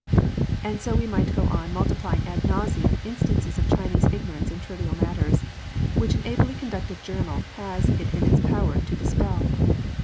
And so we might go on multiplying ad nauseam. instances of Chinese ignorance in trivial matters which an ably conducted journal has it in its power to dis pel.